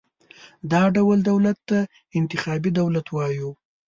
دا ډول دولت ته انتخابي دولت وایو.